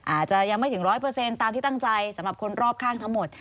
อาจจะยังไม่ถึง๑๐๐ตามที่ตั้งใจสำหรับคนรอบข้างทั้งหมด